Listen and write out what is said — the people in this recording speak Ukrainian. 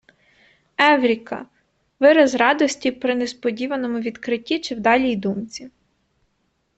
Евріка - вираз радості при несподіваному відкритті чи вдалій думці